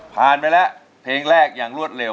ผ่านไปแล้วเพลงแรกอย่างรวดเร็ว